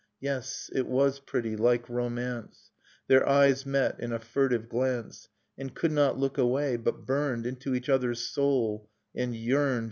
Yes, it was pretty ... like romance ... Their eyes met, in a furtive glance. And could not look away, but burned Into each other's soul, and yearned.